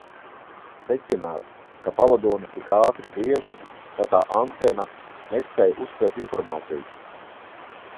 Secināts, ka pavadonis tik ātri griežas, ka tā antena nespēj uztvert informāciju.